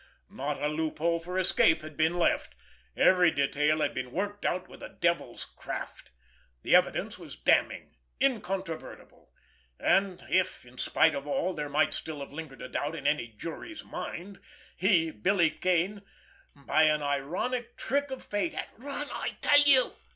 Not a loophole for escape had been left, every detail had been worked out with a devil's craft; the evidence was damning, incontrovertible, and if, in spite of all, there might still have lingered a doubt in any jury's mind, he, Billy Kane, by an ironic trick of fate had—— "Run, I tell you!"